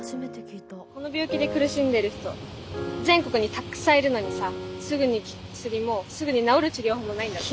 「この病気で苦しんでる人全国にたっくさんいるのにさすぐに効く薬もすぐに治る治療法もないんだって」。